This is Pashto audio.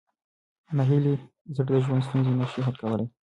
ناهیلي زړه د ژوند ستونزې نه شي حل کولی.